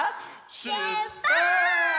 しゅっぱつ！